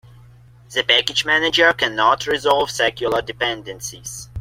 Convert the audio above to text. The package manager cannot resolve circular dependencies.